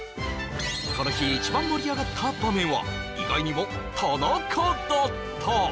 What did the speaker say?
この日一番盛り上がった場面は意外にも田中だった